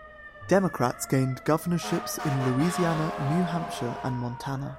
Democrats gained governorships in Louisiana, New Hampshire and Montana.